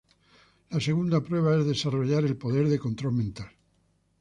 La segunda prueba es desarrollar el poder de control mental.